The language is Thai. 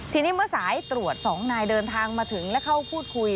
ทีนี้เมื่อสายตรวจ๒นายเดินทางมาถึงและเข้าพูดคุย